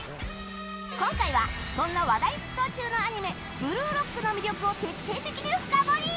今回はそんな話題沸騰中のアニメ「ブルーロック」の魅力を徹底的に深掘り！